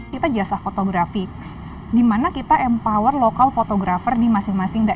kita jasa fotografi dimana kita empower lokal fotografer di masing masing